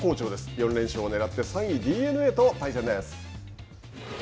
４連勝をねらって３位ＤｅＮＡと対戦です。